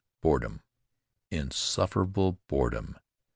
Boredom, insufferable boredom.